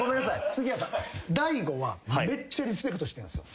杉谷さん大悟はめっちゃリスペクトしてんすよ。